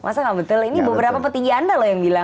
masa nggak betul ini beberapa petinggi anda loh yang bilang